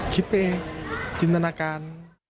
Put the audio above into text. คิดไปเองจินตนาการ